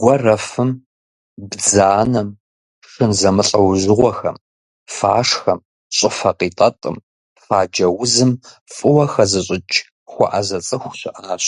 Гуэрэфым, бдзанэм, шын зэмылӏэужьыгъуэхэм, фашхэм, щӏыфэ къитӏэтӏым, фаджэ узым фӏыуэ хэзыщӏыкӏ, хуэӏэзэ цӏыху щыӏащ.